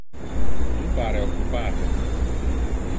Tu pare occupate.